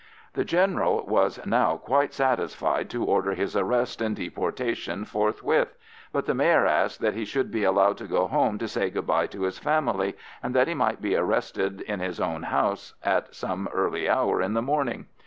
The General was now quite satisfied to order his arrest and deportation forthwith; but the Mayor asked that he should be allowed to go home to say good bye to his family, and that he might be arrested in his own house at some early hour in the morning.